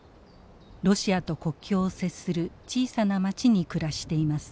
ロシアと国境を接する小さな町に暮らしています。